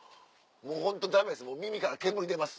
もうホントダメです